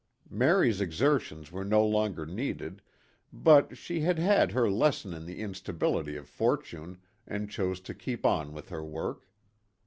Mary's exertions were no longer needed, but she had had her lesson in the instability of fortune and chose to keep on with her work.